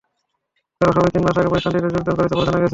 তাঁরা সবাই তিন মাস আগে প্রতিষ্ঠানটিতে যোগদান করেছেন বলে জানা গেছে।